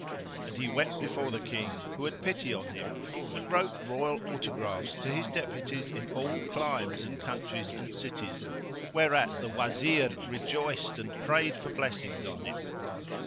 And he wept before the King, who had pity on him and wrote royal autographs to his deputies in all climes [FN#452] and countries and cities; whereat the Wazir rejoiced and prayed for blessings on him.